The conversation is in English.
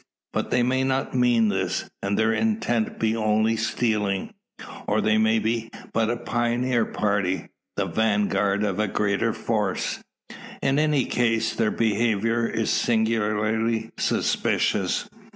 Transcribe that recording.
But they may not mean this; and their intent be only stealing? Or they may be but a pioneer party the vanguard of a greater force? In any case, their behaviour is singularly suspicious.